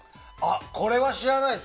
これは知らないです。